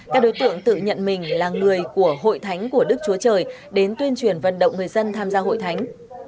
các đối tượng tự nhận mình là người của hội thánh của đức chúa trời đến tuyên truyền vận động người dân tham gia hội thánh